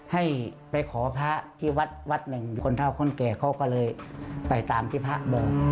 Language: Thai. ให้ไปขอพระที่วัดวัดหนึ่งคนเท่าคนแก่เขาก็เลยไปตามที่พระบอก